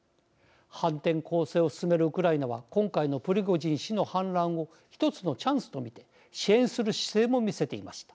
反転攻勢を進めるウクライナは今回のプリゴジン氏の反乱を１つのチャンスと見て支援する姿勢も見せていました。